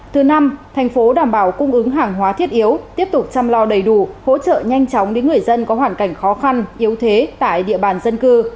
thứ năm thành phố đảm bảo cung ứng hàng hóa thiết yếu tiếp tục chăm lo đầy đủ hỗ trợ nhanh chóng đến người dân có hoàn cảnh khó khăn yếu thế tại địa bàn dân cư